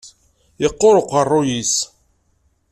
Yeqquṛ uqeṛṛu-yis.